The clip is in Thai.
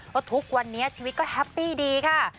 เพราะทุกวันนี้ชีวิตก็แฮปปี้ดีค่ะ